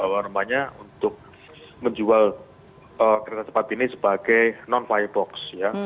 warna warna untuk menjual kereta cepat ini sebagai non firebox ya